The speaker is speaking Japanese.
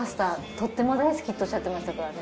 とっても大好きっておっしゃってましたからね。